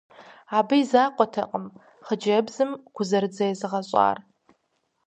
Абы и закъуэтэкъым хъыджэбзым гузэрыдзэ езыгъэщӏар.